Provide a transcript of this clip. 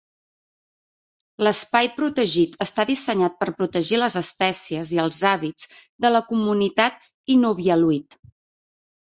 L'espai protegit està dissenyat per protegir les espècies i els hàbits de la comunitat inuvialuit.